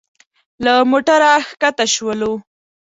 له موټره ښکته شولو.